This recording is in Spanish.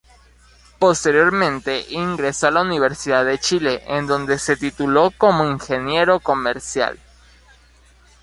Posteriormente ingresó a la Universidad de Chile en donde se tituló como ingeniero comercial.